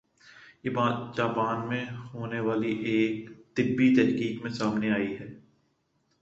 یہ بات جاپان میں ہونے والی ایک طبی تحقیق میں سامنے آئی ہے